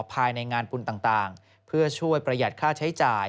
ภายในงานบุญต่างเพื่อช่วยประหยัดค่าใช้จ่าย